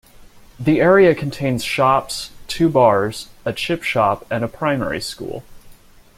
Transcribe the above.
The area contains shops, two bars, a chip shop and a primary school.